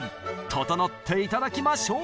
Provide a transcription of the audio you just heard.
ととのって頂きましょう！